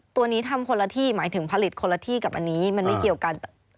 ตัวนี้ทำคนละที่หมายถึงผลิตคนละที่กับอันนี้มันไม่เกี่ยวกัน